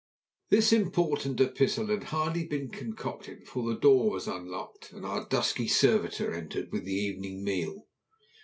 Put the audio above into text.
This important epistle had hardly been concocted before the door was unlocked and our dusky servitor entered with the evening meal.